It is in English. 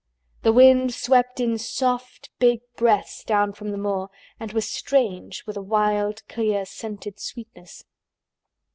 The wind swept in soft big breaths down from the moor and was strange with a wild clear scented sweetness.